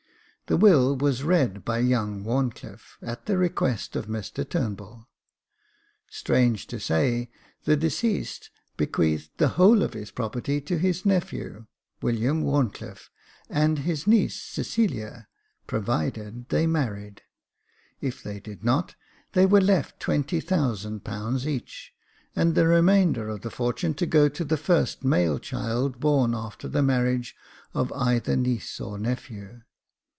The will was read by young WharnclifFe, at the request of Mr Turnbull. Strange to say, the deceased bequeathed the whole of his property to his nephew, William Wharn cliffe, and his niece, Cecilia, provided they married ; if they did not, they were left ^20,000 each, and the remainder of the fortune to go to the first male child born after the marriage of either niece or nephew.